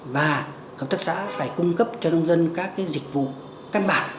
và hợp tác xã phải cung cấp cho nông dân các dịch vụ căn bản